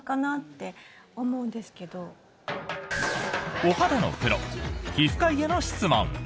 お肌のプロ皮膚科医への質問。